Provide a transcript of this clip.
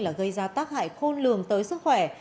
là gây ra tác hại khôn lường tới sức khỏe